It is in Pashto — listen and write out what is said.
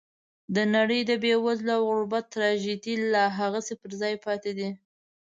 د نړۍ د بېوزلۍ او غربت تراژیدي لا هغسې پر ځای پاتې ده.